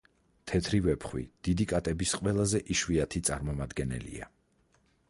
თეთრი ვეფხვი დიდი კატების ყველაზე იშვიათი წარმომადგენელია.